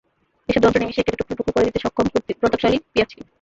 এসব যন্ত্র নিমেষেই কেটে টুকরো টুকরো করে দিতে সক্ষম প্রতাপশালী পেঁয়াজকে।